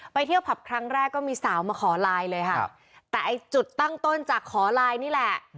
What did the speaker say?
ไปเที่ยวผับครั้งแรกก็มีสาวมาขอไลน์เลยค่ะแต่ไอ้จุดตั้งต้นจากขอไลน์นี่แหละ